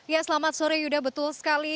ya selamat sore yuda betul sekali